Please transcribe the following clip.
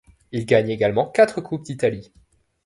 Il gagne également quatre Coupes d'Italie.